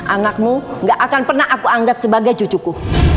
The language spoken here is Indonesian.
anakmu gak akan pernah aku anggap sebagai cucuku